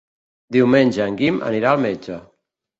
Diumenge en Guim anirà al metge.